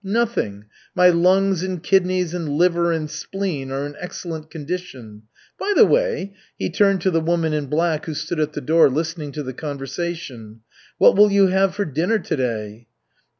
"Nothing. My lungs and kidneys and liver and spleen are in excellent condition. By the way," he turned to the woman in black who stood at the door, listening to the conversation, "What will you have for dinner to day?"